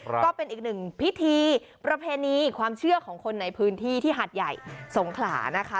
ก็เป็นอีกหนึ่งพิธีประเพณีความเชื่อของคนในพื้นที่ที่หาดใหญ่สงขลานะคะ